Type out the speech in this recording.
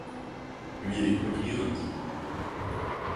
Wir ignorieren sie.